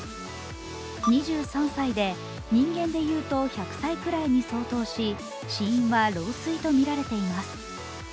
２３歳で、人間でいうと１００歳くらいに相当し、死因は老衰とみられています。